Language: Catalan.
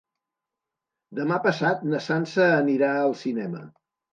Demà passat na Sança anirà al cinema.